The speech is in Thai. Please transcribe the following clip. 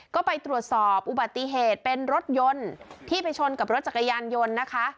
ก็ไปตรวจสอบอุบัติเหตุเป็นรถยนต์ที่ไปชนกับรถจักรยานยนต์นะคะ